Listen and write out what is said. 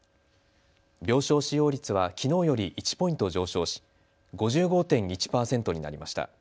病床使用率はきのうより１ポイント上昇し５５．１％になりました。